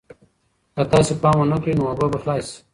که تاسې پام ونه کړئ نو اوبه به خلاصې شي.